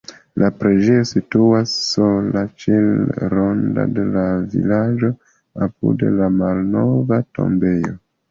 La preĝejo situas sola ĉe rando de la vilaĝo apud la malnova tombejo.